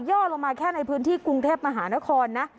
่อลงมาแค่ในพื้นที่กรุงเทพมหานครนะ